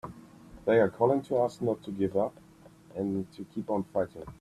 They're calling to us not to give up and to keep on fighting!